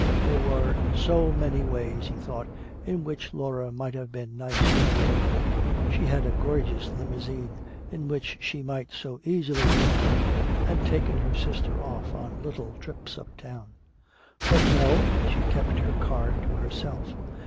There were so many ways, he thought, in which Laura might have been nice to Edith. She had a gorgeous limousine in which she might so easily have come and taken her sister off on little trips uptown. But no, she kept her car to herself.